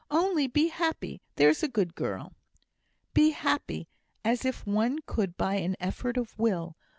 Only be happy, there's a good girl." "Be happy! as if one could by an effort of will!"